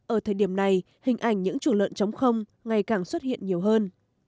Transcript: ở thời điểm này hình ảnh những chủ lợn chống không ngày càng xuất hiện nhiều hơn